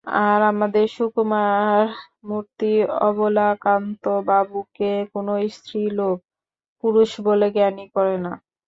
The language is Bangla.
আর আমাদের সুকুমারমূর্তি অবলাকান্তবাবুকে কোনো স্ত্রীলোক পুরুষ বলে জ্ঞানই করে না।